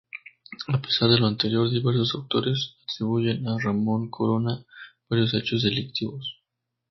A pesar de lo anterior, diversos autores atribuyen a Ramón Corona varios hechos delictivos.